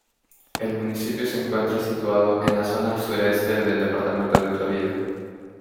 El municipio se encuentra situado en la zona sureste del departamento de Florida.